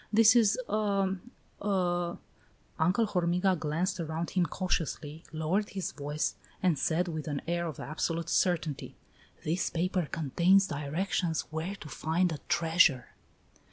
This is a a " Uncle Hormiga glanced around him cautiously, lowered his voice, and said with air of absolute certainty: "This paper contains directions where to find a treasure!"